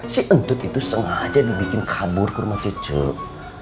si entut itu sengaja dibikin kabur ke rumah cucuk